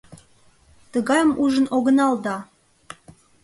Тыгайым ужын огынал да...